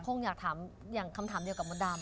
คงอยากถามอย่างคำถามเดียวกับมดดำ